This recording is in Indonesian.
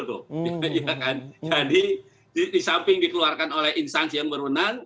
jadi disamping dikeluarkan oleh instansi yang berwenang